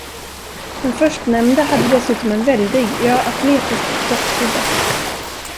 Den förstnämnda hade dessutom en väldig, ja atletisk kroppshydda.